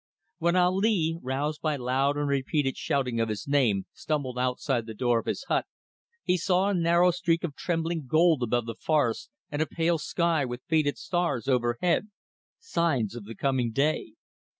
When Ali, roused by loud and repeated shouting of his name, stumbled outside the door of his hut, he saw a narrow streak of trembling gold above the forests and a pale sky with faded stars overhead: signs of the coming day.